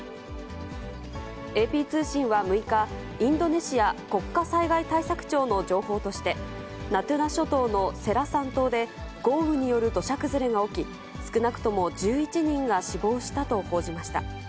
ＡＰ通信は６日、インドネシア国家災害対策庁の情報として、ナトゥナ諸島のセラサン島で、豪雨による土砂崩れが起き、少なくとも１１人が死亡したと報じました。